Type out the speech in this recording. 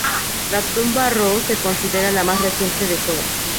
La tumba rho se considera la más reciente de todas.